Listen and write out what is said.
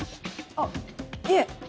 あっいえ。